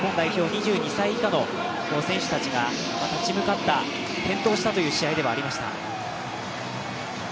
２２歳以下の選手たちが立ち向かった、健闘したという試合ではありました。